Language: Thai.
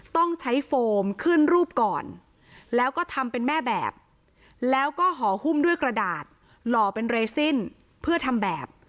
ต้องใช้โฟมขึ้นรูปก่อนแล้วก็ทำเป็นแม่แบบแล้วก็ห่อหุ้มด้วยกระดาษหล่อเป็นเรซินเพื่อทำแบบ